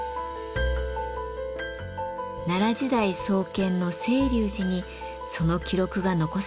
奈良時代創建の青龍寺にその記録が残されています。